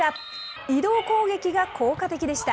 移動攻撃が効果的でした。